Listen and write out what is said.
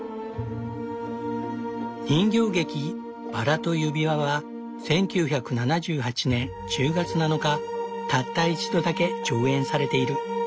人形劇「バラと指輪」は１９７８年１０月７日たった一度だけ上演されている。